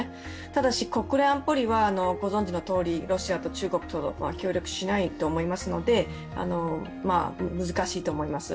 ただし国連安保理は、ロシアと中国とは協力をしないと思いますので難しいと思います。